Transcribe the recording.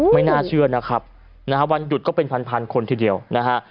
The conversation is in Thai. ไม่น่าเชื่อนะครับนะฮะวันหยุดก็เป็นพันพันคนทีเดียวนะฮะ